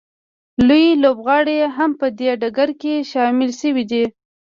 نوي لوبغاړي هم په دې ډګر کې شامل شوي دي